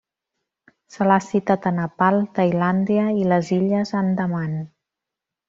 Se l'ha citat a Nepal, Tailàndia i les illes Andaman.